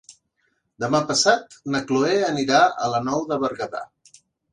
Demà passat na Cloè anirà a la Nou de Berguedà.